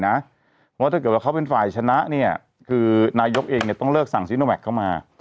เพราะว่าถ้าเกิดว่าเขาเป็นฝ่ายชนะเนี่ยคือนายกเองต้องเลิกสั่งซิโนแวคเข้ามา